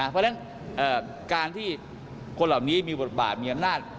เพราะฉะนั้นการที่คนเหล่านี้มีบทบาทมีอำนาจ